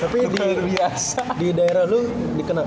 tapi di daerah lu